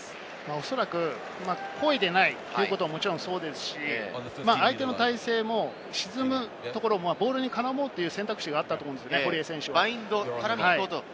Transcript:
おそらく故意でないというのもそうですし、相手の体勢も沈むところ、ボールに絡もうという選択肢があったと思うんですね、堀江選手も。